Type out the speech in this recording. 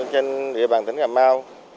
trên địa bàn tỉnh cà mau